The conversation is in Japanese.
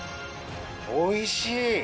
おいしい！